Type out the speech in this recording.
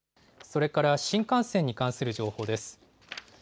それから新幹線に関する情報です。